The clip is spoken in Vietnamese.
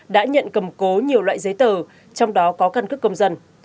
đã nhận cầm cố nhiều loại giấy tờ trong đó có căn cước công dân